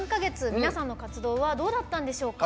皆さんの活動はどうだったんでしょうか。